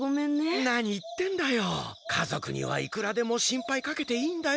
かぞくにはいくらでもしんぱいかけていいんだよ。